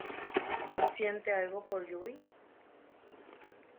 Siente algo por Yui.